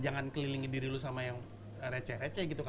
jangan kelilingi diri lo sama yang receh receh gitu